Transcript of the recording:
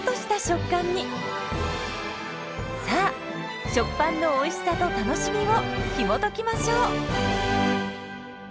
さあ「食パン」のおいしさと楽しみをひもときましょう！